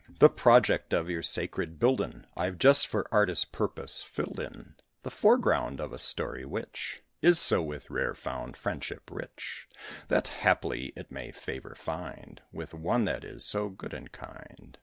The project of your sacred building I've just for artist purpose filled in The foreground of a story which Is so with rare found friendship rich, That, haply, it may favour find With one that is so good and kind.